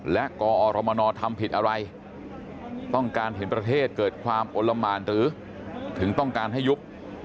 และกอรมนทำผิดอะไรต้องการเห็นประเทศเกิดความอลละหมานหรือถึงต้องการให้ยุบ